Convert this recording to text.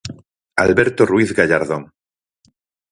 Alberto Ruiz Gallardón.